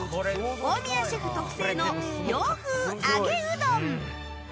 大宮シェフ特製の洋風揚げうどん。